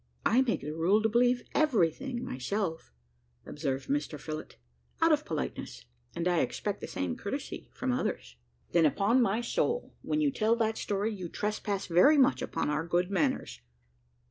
"I make it a rule to believe everything myself," observed Mr Phillott, "out of politeness; and I expect the same courtesy from others." "Then, upon my soul! when you tell that story, you trespass very much upon our good manners.